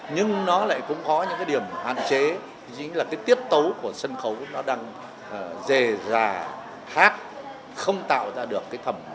nhưng nó lại cũng có những cái điểm hạn chế chính là cái tiết tấu của sân khấu nó đang dề dà hát không tạo ra được cái thẩm mỹ về âm nhạc